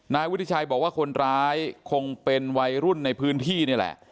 นายวุฒิชัยบอกว่าคนร้ายคงเป็นวัยรุ่นในพื้นที่นี่แหละ